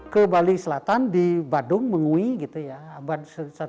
ke bali selatan di badung mengui abad seribu tujuh ratus tujuh puluh satu